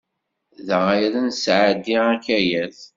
Da ara nesɛeddi akayad.